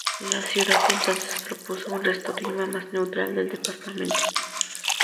La ciudad entonces propuso un resto clima más neutral del departamento.